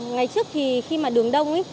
ngày trước thì khi mà đường đông